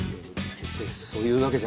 決してそういうわけじゃ。